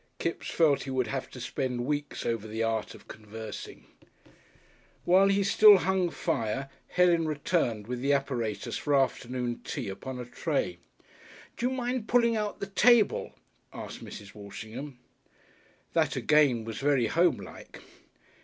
Kipps felt he would have to spend weeks over "The Art of Conversing." While he still hung fire Helen returned with the apparatus for afternoon tea upon a tray. "Do you mind pulling out the table?" asked Mrs. Walshingham. That, again, was very homelike.